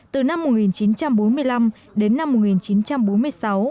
từ năm một nghìn chín trăm bốn mươi năm đến năm một nghìn chín trăm bốn mươi sáu